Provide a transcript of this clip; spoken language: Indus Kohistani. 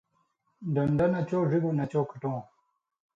ڈن٘ڈہ نہ چو ڙِگوۡ نہ چو کھٹؤں،